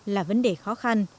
là vấn đề khó khăn